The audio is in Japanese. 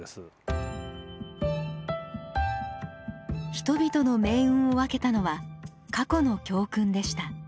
人々の命運を分けたのは過去の教訓でした。